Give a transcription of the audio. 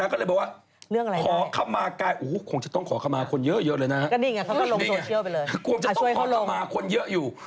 กลมจะต้องขอเข้ามาคนเยอะอยู่